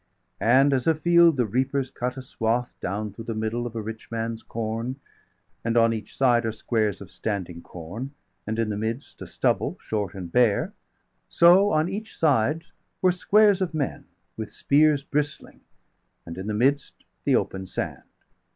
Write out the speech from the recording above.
And as afield the reapers cut a swath Down through the middle of a rich man's corn, And on each side are squares of standing corn, 295 And in the midst a stubble, short and bare So on each side were squares of men, with spears Bristling, and in the midst, the open sand.